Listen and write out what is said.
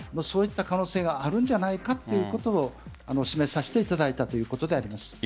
そういった可能性があるんじゃないかということを示させていただいたということです。